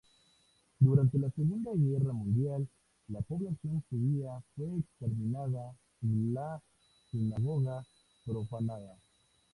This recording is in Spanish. Durante la Segunda guerra mundial, la población judía fue exterminada, y la sinagoga profanada.